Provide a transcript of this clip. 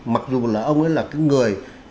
mặc dù là ông ấy là cái người